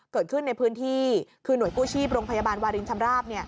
เกิดขึ้นในพื้นที่คือหน่วยกู้ชีพโรงพยาบาลวารินชำราบ